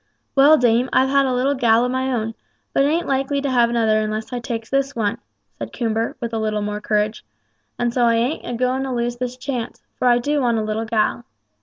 "Well, dame, I've had a little gal o' my own, but ain't likely to have another unless I takes this one," said Coomber, with a little more courage, "and so I ain't a going to lose this chance; for I do want a little gal."